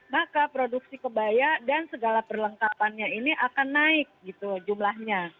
maka produksi kebaya dan segala perlengkapannya ini akan naik gitu jumlahnya